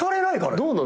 どうなの？